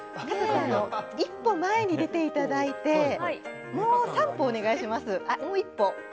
加藤さん、１歩前に出ていただいて、もう３歩お願いします。